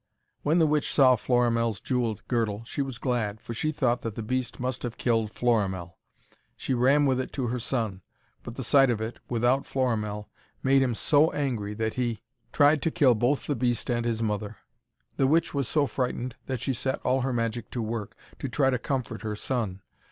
When the witch saw Florimell's jewelled girdle she was glad, for she thought that the beast must have killed Florimell. She ran with it to her son, but the sight of it, without Florimell, made him so angry that he tried to kill both the beast and his mother. The witch was so frightened that she set all her magic to work, to try to comfort her son.